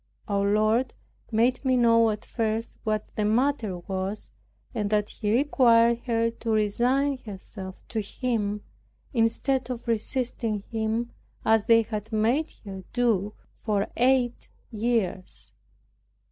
Our Lord made me know at first what the matter was; and that He required her to resign herself to Him, instead of resisting Him as they had made her do for eight years.